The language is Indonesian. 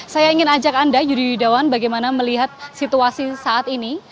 saya ingin ajak anda yudi yudawan bagaimana melihat situasi saat ini